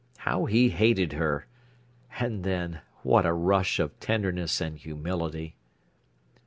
How he hated her! And then, what a rush of tenderness and humility!